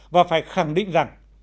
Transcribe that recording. và phải khẳng định rằng